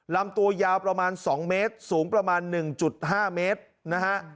ลำตัวยาวประมาณ๒เมตรสูงประมาณ๑๕เมตรนะฮะ